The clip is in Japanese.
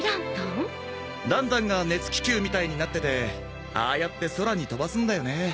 ランタンが熱気球みたいになっててああやって空に飛ばすんだよね。